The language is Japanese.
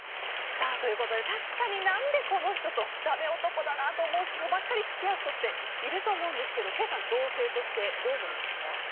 ということで確かに何でこの人とダメ男だなと思う人とばっかり付き合う人っていると思うんですけどケイさん、同性としてどう思いますか？